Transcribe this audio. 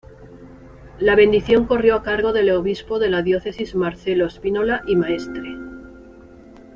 La bendición corrió a cargo del obispo de la diócesis Marcelo Spínola y Maestre.